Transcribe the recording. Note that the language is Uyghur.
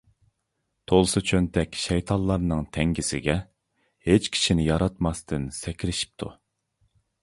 تولسا چۆنتەك شەيتانلارنىڭ تەڭگىسىگە، ھېچ كىشىنى ياراتماستىن سەكرىشىپتۇ.